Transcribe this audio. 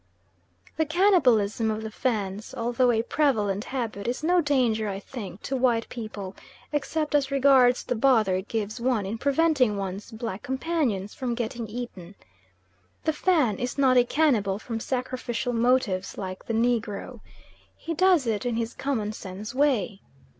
The cannibalism of the Fans, although a prevalent habit, is no danger, I think, to white people, except as regards the bother it gives one in preventing one's black companions from getting eaten. The Fan is not a cannibal from sacrificial motives like the negro. He does it in his common sense way.